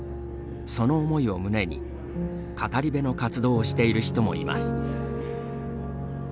その思いを胸に、語り部の活動をしている人もいます。